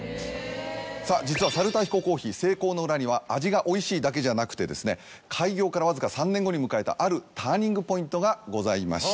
実は猿田彦珈琲成功の裏には味がおいしいだけじゃなくて開業からわずか３年後に迎えたあるターニングポイントがございました。